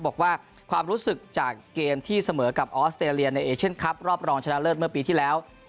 บอกว่าความรู้สึกจากเกมที่เสมอกับออสเตรเลียในเอเชียนคลับรอบรองชนะเลิศเมื่อปีที่แล้ว